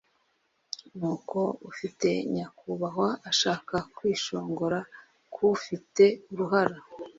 Nuko ufite nyakubahwa ashaka kwishongora ku ufite uruhara